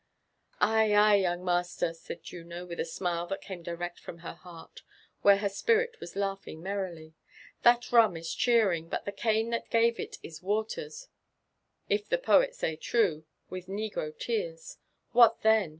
"Ay, ay, young master,'' said Juno, with a smile that came direet from her heart, where her spirit was laughing merrily, ''that rum is cheering, but the cane that gave it is watered, if the poet say triie, with negro tears. — What then?